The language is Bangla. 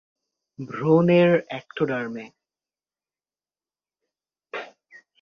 ভ্রূণের এক্টোডার্মে।